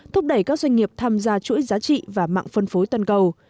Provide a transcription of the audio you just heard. thúc đẩy các doanh nghiệp tham gia chuỗi giá trị và mạng phân phối toàn cầu